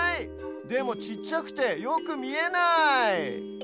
でもちっちゃくてよくみえない！